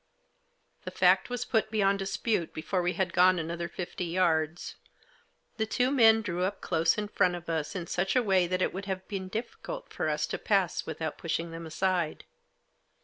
The fact was put beyond dispute before we had gone another fifty yards. The two men drew up close in front of us, in such a way that it would have been difficult for us to pass without pushing them aside.